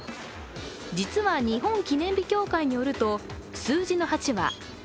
実は、日本記念日協会によると数字の８は「は」